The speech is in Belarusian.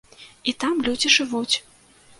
І там людзі жывуць.